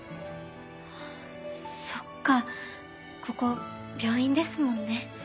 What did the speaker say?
そっかここ病院ですもんね。